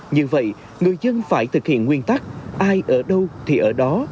như vậy người dân phải thực hiện nguyên tắc ai ở đâu thì ở đó